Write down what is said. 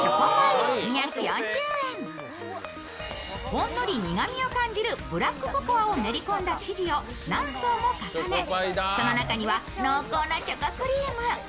ほんのり苦みを感じるブラックココアを混ぜた生地を何層も重ね、その中には濃厚なチョコクリーム。